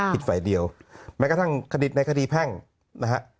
ผิดไฟเดียวแม้กระทั่งขณิตในคดีแพ่งนะฮะ